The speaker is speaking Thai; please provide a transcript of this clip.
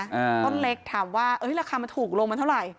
ต้นเล็กถามว่าเอ้ยราคามันถูกลงมันเท่าไหร่